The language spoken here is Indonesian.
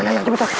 tidak tidak tidak